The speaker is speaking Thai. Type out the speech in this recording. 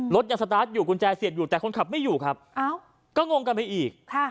รถยังสตาร์ทอยู่กุญแจเสียดอยู่แต่คนขับไม่อยู่ครับก็งงกันไปอีก